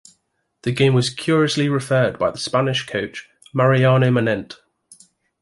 The game was curiously referred by the Spanish coach Mariano Manent.